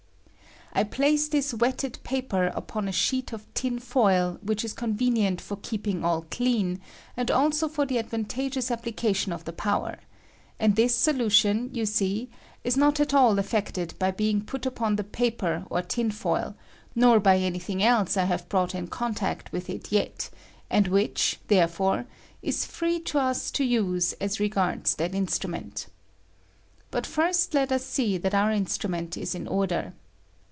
I place this wetted paper upon a sheet of tin foil, which is conven ient for keeping all clean, and also for the ad ' vantageous application of the power; and this solution, you see, is not at all affected by being put upon the paper or tin foil, nor by any thing else I have brought in contact with it yet, and which, therefore, is free to us to use as regards that instrument. But first let ua see that our instrument is in order.